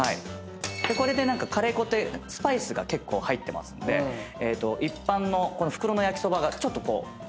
これでカレー粉ってスパイスが結構入ってますんで一般の袋の焼きそばがちょっと豊かになる風味が。